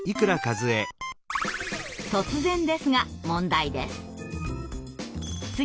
突然ですが問題です。